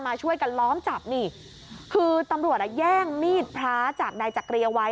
มาช่วยกันล้อมจับนี่คือตำรวจอ่ะแย่งมีดพระจากนายจักรีเอาไว้